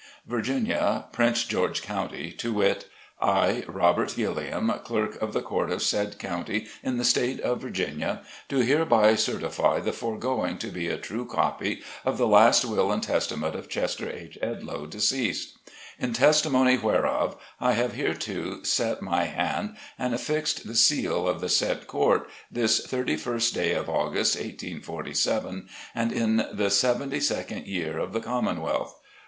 VIRGINIA — Prince George County, to wit: I, ROBERT GILLIAM, Clerk of the Court of said county, in the State of Virginia, do hereby cer tify the foregoing to be a true copy of the last Will and Testament of Carter H. Edloe, deceased. In testimony whereof, I have hereto set 22 SLAVE CABIN TO PULPIT. r t my hand and affixed the seal of the said I CTf A T I J L '•» Court, this thirty first day of August, 1847, and in the seventy second year of the Commonwealth.